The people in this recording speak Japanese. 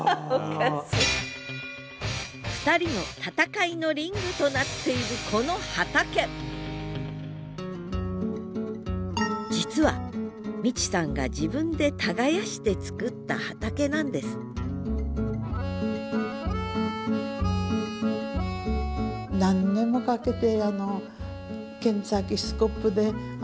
２人の闘いのリングとなっているこの畑実は光さんが自分で耕してつくった畑なんですそんなもんですからね